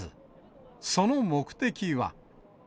その目的は。